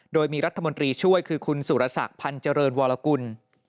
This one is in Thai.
โดยมีรัฐมนตรีช่วยคือคุณสุรศักดิ์พันธ์เจริญวรกุล